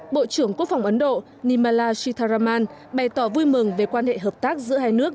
bộ trưởng quốc phòng ấn độ nimala sitaraman bày tỏ vui mừng về quan hệ hợp tác giữa hai nước